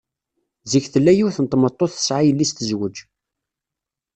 Zik tella yiwet n tmeṭṭut tesɛa yelli-s tezwej.